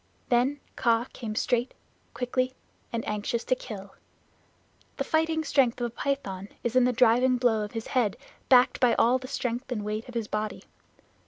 Then Kaa came straight, quickly, and anxious to kill. The fighting strength of a python is in the driving blow of his head backed by all the strength and weight of his body.